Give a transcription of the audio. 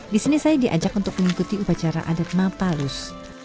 di sini saya diajak untuk mengikuti upacara adat mapalus